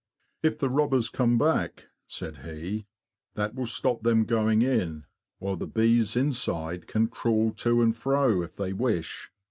"' Tf the robbers come back," said he, '' that will stop them going in, while the bees inside can crawl to and fro if they wish.